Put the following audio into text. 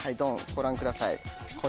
ご覧ください。